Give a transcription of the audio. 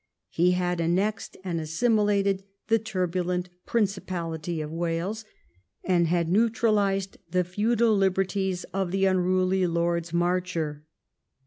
He had annexed and assimilated the turbulent Principality of Wales, and had neutralised the feudal liberties of the unruly Lords Marcher.